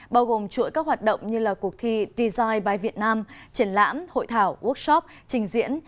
bao gồm chuỗi các hoạt động như cuộc thi design by vietnam triển lãm hội thảo workshop trình diễn